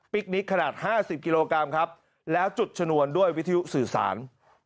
คนิคขนาด๕๐กิโลกรัมครับแล้วจุดชนวนด้วยวิทยุสื่อสาร